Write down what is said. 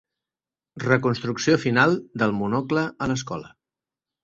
Reconstrucció final del Monocle a l'escola.